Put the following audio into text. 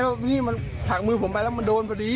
เพราะว่านี่มันถักมือผมไปแล้วมันโดนพอดีอ๋อ